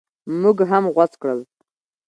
موږ هم غوڅ کړل.